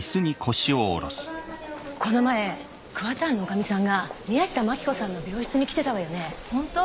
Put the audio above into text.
この前桑田庵の女将さんが宮下真紀子さんの病室に来てたわよねほんと？